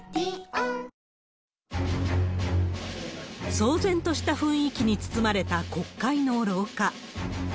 騒然とした雰囲気に包まれた国会の廊下。